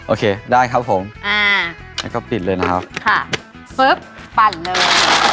โอเคได้ครับผมจะปิดเลยนะครับปั่นเลย